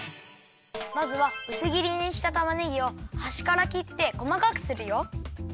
まずはうすぎりにしたたまねぎをはしからきってこまかくするよ。